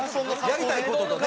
やりたい事とね。